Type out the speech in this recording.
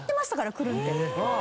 くるんって。